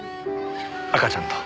赤ちゃんと。